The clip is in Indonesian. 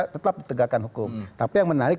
tetap ditegakkan hukum tapi yang menarik